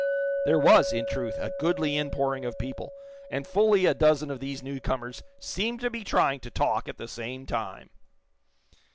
There was, in truth, a goodly inpouring of people, and fully a dozen of these new corners seemed to be trying to talk at the same time.